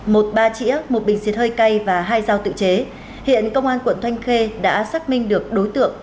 một ba trĩa một bình xịt hơi cay và hai dao tự chế hiện công an quận thanh khê đã xác minh được đối tượng